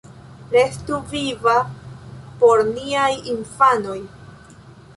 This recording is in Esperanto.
Restu viva por niaj infanoj!